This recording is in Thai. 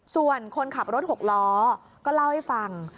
ส่วนคนขับรถหกล้อก็เล่าให้ฟัง